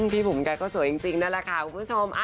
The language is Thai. พี่บุ๋มแกก็สวยจริงนั่นแหละค่ะคุณผู้ชม